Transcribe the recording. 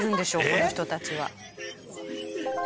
この人たちは。